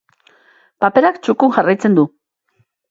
Paperak txukun jarraitzen du.